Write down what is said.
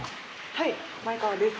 はい前川です。